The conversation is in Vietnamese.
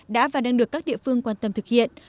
đã và đang được các địa phương quan tâm thực hiện